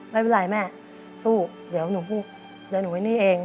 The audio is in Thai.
ไม่เป็นไรแม่สู้เดี๋ยวหนูพูดเดี๋ยวหนูไว้นี่เอง